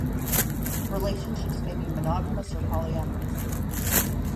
Relationships may be monogamous or polyamorous.